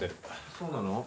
そうなの？